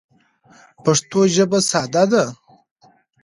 پښتو ژبه ساده ده.